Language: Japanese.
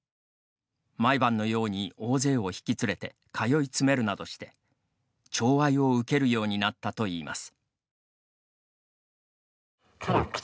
毎晩のように大勢を引き連れて通い詰めるなどしてちょう愛を受けるようになったといいます。